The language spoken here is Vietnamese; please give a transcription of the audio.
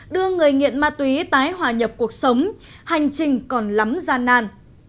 đưa người nghiện ma túy tái hòa nhập cuộc sống hành trình còn lắm gian nan